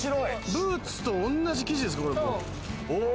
ブーツとおんなじ生地ですか？